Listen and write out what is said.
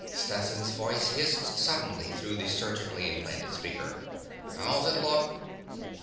Stetson's voice hissed suddenly through the surgically implanted speaker: "How's it look?"